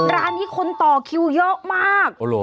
ร้านที่คนต่อคิวเยอะมากโอโห